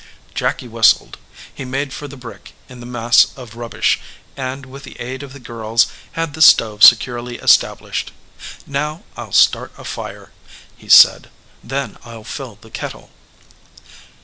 Jacky whistled. He made for the brick in the mass of rubbish, and with the aid of the girls had the stove securely established. "Now I ll start a fire," he said. "Then I ll fill the kettle."